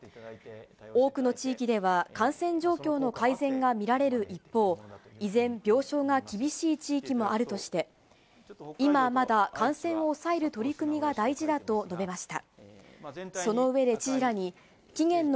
多くの地域では感染状況の改善が見られる一方、依然、病床が厳しい地域もあるとして、今はまだ、感染を抑える取り組みが大事だと述べました。